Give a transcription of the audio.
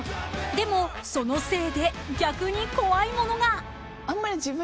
［でもそのせいで逆に怖いものが］